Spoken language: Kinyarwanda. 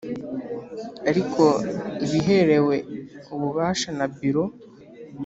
Ariko ibiherewe ububasha na biro